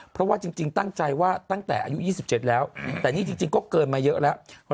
เพราะว่าจริงตั้งใจว่าตั้งแต่อายุ๒๗แล้วแต่นี่จริงก็เกินมาเยอะแล้ว